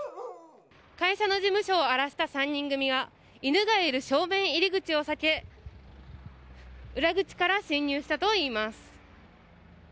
会社の事務所を荒らした３人組は犬がいる正面入り口を避け裏口から侵入したといいます。